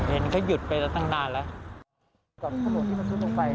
มันก็หยุดไปตั้งนานแล้ว